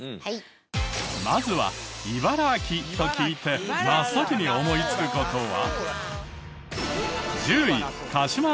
まずは「茨城」と聞いて真っ先に思いつく事は？